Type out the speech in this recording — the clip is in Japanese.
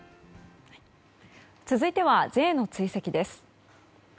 続いては、Ｊの追跡です。